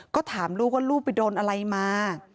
ก็ถามลูกว่าลูกไปโดนอะไรมา